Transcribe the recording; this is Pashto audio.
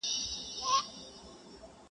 • ستوري خو ډېر دي هغه ستوری په ستایلو ارزي,